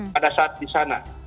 pada saat di sana